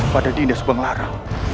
pada dinda subang lara